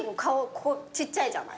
ここちっちゃいじゃない。